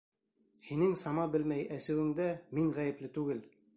Һинең сама белмәй әсеүеңдә мин ғәйепле түгел!